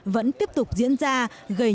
vẫn tiếp tục diễn ra gây